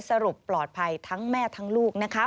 สรุปปลอดภัยทั้งแม่ทั้งลูกนะคะ